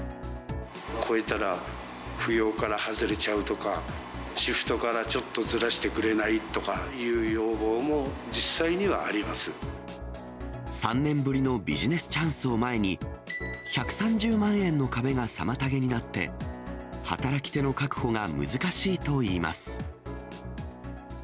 超えたら扶養から外れちゃうとか、シフトからちょっとずらしてくれないとかっていう要望も実際には３年ぶりのビジネスチャンスを前に、１３０万円の壁が妨げになって、働き手の確保が難しいといいます。